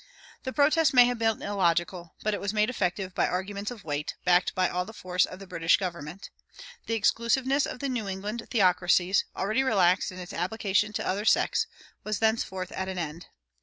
[129:1] The protest may have been illogical, but it was made effective by "arguments of weight," backed by all the force of the British government. The exclusiveness of the New England theocracies, already relaxed in its application to other sects, was thenceforth at an end.